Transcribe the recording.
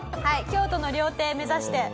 京都の料亭目指して。